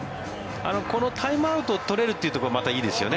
このタイムアウトを取れるところがまたいいですね。